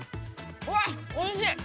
わっおいしい。